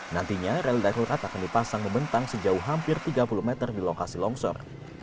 nantinya rel darurat akan dipasang membentang sejauh hampir tiga puluh meter di lokasi longsor